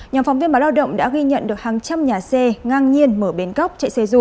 nhóm phóng viên báo lao động đã ghi nhận được hàng trăm nhà xe ngang nhiên mở bến góc chạy xe ru